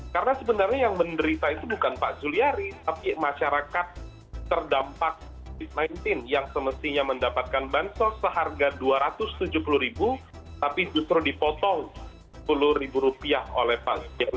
karena sebenarnya yang menderita itu bukan pak juliari tapi masyarakat terdampak yang semestinya mendapatkan bantos seharga rp dua ratus tujuh puluh tapi justru dipotong rp sepuluh oleh pak juliari